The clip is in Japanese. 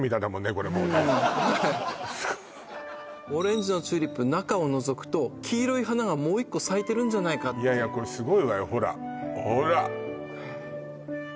これもうねオレンジのチューリップ中をのぞくと黄色い花がもう一個咲いてるんじゃないかっていやいやこれすごいわよほら